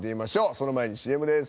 その前にＣＭです。